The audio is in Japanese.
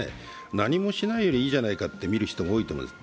何もしないよりいいじゃないかと見る人も多いと思います。